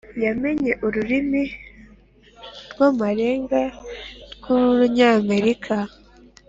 yamenye ururimi rw amarenga rw urunyamerika